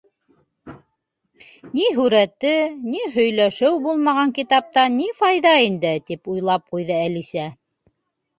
—Ни һүрәте, ни һөйләшеү булмаған китаптан ни файҙа инде? —тип уйлап ҡуйҙы Әлисә.